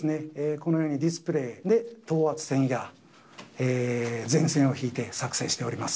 このようにディスプレーで、等圧線や前線を引いて、作成しております。